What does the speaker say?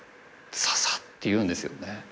ササッっていうんですよね。